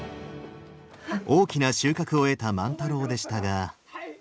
大きな収穫を得た万太郎でしたが。